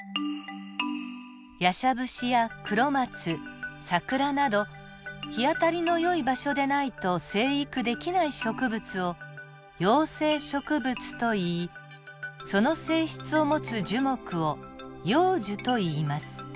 ヤシャブシやクロマツサクラなど日当たりのよい場所でないと生育できない植物を陽生植物といいその性質を持つ樹木を陽樹といいます。